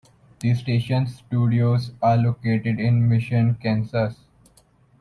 The station's studios are located in Mission, Kansas.